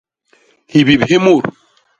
Hibip hi mut.